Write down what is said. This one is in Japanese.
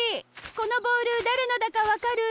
このボールだれのだかわかる？